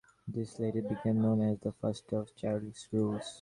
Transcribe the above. This later became known as the first of Chargaff's rules.